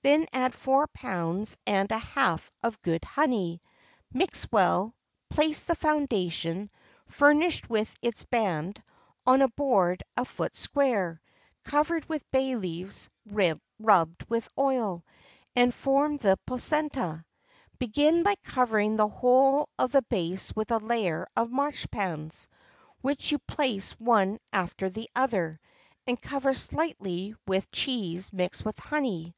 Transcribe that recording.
Then add four pounds and a half of good honey; mix well; place the foundation, furnished with its band, on a board a foot square, covered with bay leaves rubbed with oil, and form the placenta. Begin by covering the whole of the base with a layer of marchpans, which you place one after the other, and cover slightly with cheese mixed with honey.